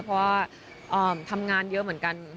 เพราะว่าทำงานเยอะเหมือนกัน